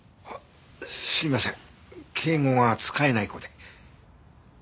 すいません敬語が使えない子で。